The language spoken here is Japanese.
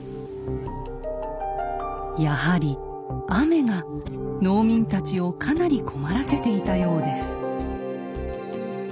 やはり雨が農民たちをかなり困らせていたようです。